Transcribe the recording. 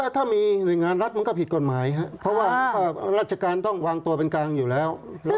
ถ้ามีหน่วยงานรัฐมันก็ผิดกฎหมายครับเพราะว่าราชการต้องวางตัวเป็นกลางอยู่แล้ว